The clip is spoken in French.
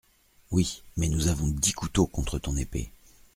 Oui ; mais nous avons dix couteaux contre ton épée.